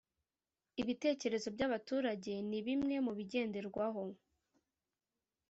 Ibitekerezo byabaturage nibimwe mubigenderwaho